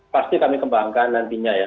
pasti kami kembangkan nantinya ya